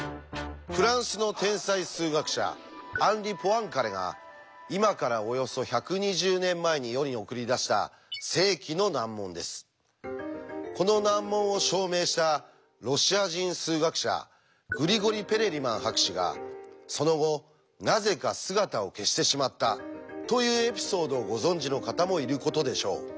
フランスの天才数学者アンリ・ポアンカレが今からおよそ１２０年前に世に送り出したこの難問を証明したロシア人数学者グリゴリ・ペレリマン博士がその後なぜか姿を消してしまったというエピソードをご存じの方もいることでしょう。